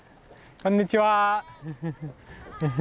こんにちは。